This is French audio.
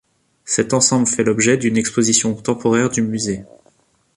Cet ensemble fait l'objet d'une exposition temporaire du musée.